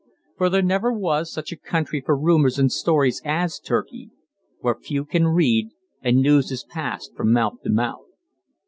For there never was such a country for rumors and stories as Turkey, where few can read and news is passed from mouth to mouth.